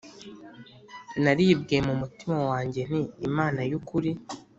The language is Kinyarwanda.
Naribwiye mu mutima wanjye nti Imana y ukuri